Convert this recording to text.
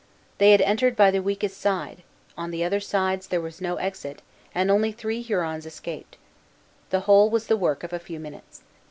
They had entered by the weakest side; on the other sides there was no exit, and only three Hurons escaped. The whole was the work of a few minutes.